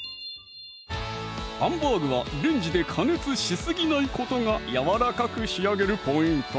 ハンバーグはレンジで加熱しすぎないことがやわらかく仕上げるポイント！